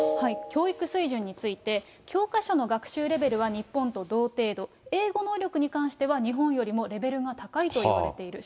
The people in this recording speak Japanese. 教育水準について、教科書の学習レベルは日本と同程度、英語能力に関しては、日本よりもレベルが高いといわれている。